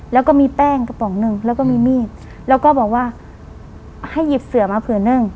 แล้วก็มีแป้งกระป๋องหนึ่งแล้วก็มีมีดแล้วก็บอกว่าให้หยิบเสือมาผืนหนึ่ง